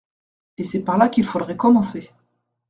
Et c'est par là qu'il faudrait commencer.